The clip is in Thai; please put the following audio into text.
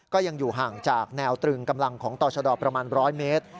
ก็ยังอยู่ห่างจากแนวตรึงกำลังของต่อชะดอประมาณ๑๐๐เมตร